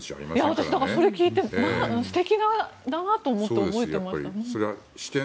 私、だからそれを聞いて素敵だなと思って覚えていました。